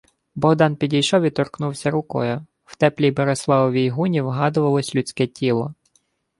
Богдан підійшов і торкнувся рукою. В теплій Бориславовій гуні вгадувалось людське тіло.